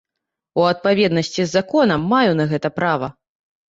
У адпаведнасці з законам, маю на гэта права.